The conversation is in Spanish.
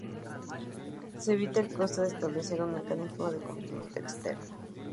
Se evita el costo de establecer un mecanismo de cumplimiento externo.